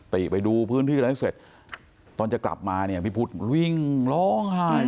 ตีไปดูพื้นที่แล้วเสร็จตอนจะกลับมาพี่พุทธวิ่งร้องไห้